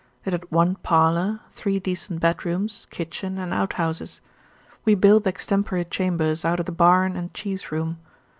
It had one parlour, three decent bedrooms, kitchen and out houses; we built extempore chambers out of the barn and cheese room.